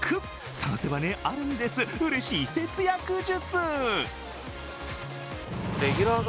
探せばあるんです、うれしい節約術。